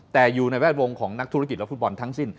แต่อยู่ในแวดวงของนักธุรกิจและฟุตบอลทั้งสิ้น